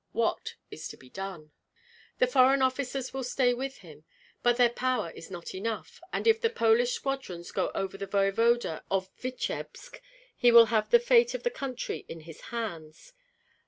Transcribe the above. What is to be done?" The foreign officers will stay with him, but their power is not enough; and if the Polish squadrons go over to the voevoda of Vityebsk, he will have the fate of the country in his hands.